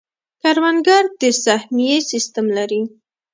کروندګر د سهمیې سیستم لري.